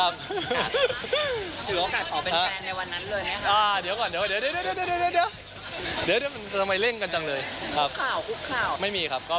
ไม่รู้เดี๋ยวถึงเวลาค่อยลาก่อน